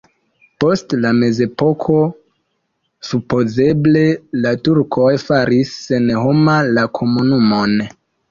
Post la mezepoko supozeble la turkoj faris senhoma la komunumon.